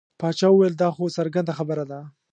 باچا وویل دا خو څرګنده خبره ده.